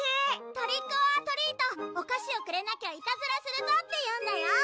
「トリックオアトリート」「お菓子をくれなきゃいたずらするぞ」って言うんだよ！